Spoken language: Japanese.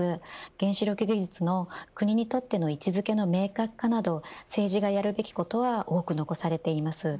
原子力技術の、国にとっての位置付けの明確化など政治がやるべきことは多く残されています。